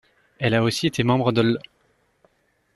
Elle a aussi été membre de l'.